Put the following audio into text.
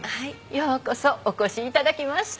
ようこそお越しいただきました。